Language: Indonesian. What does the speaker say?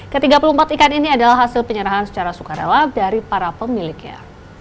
ketiga puluh empat ikan ini adalah hasil penyerahan secara sukarela dari para pemiliknya